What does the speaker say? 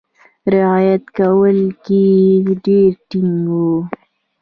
رعایت کولو کې ډېر ټینګ وو.